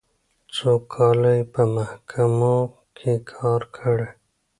څو کاله یې په محکمو کې کار کړی.